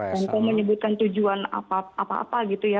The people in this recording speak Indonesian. menko menyebutkan tujuan apa apa gitu ya